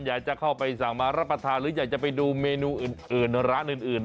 อยากจะเข้าไปสั่งมารับประทานหรืออยากจะไปดูเมนูอื่นร้านอื่น